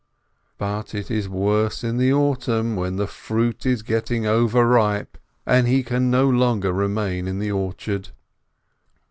But it is worse in the autumn, when the fruit is getting over ripe, and he can no longer remain in the orchard.